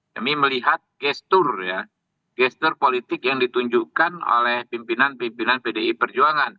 demi melihat gestur ya gestur politik yang ditunjukkan oleh pimpinan pimpinan pdi perjuangan